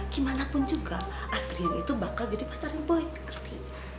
gimanapun juga adrian itu bakal jadi pacar yang boy ngerti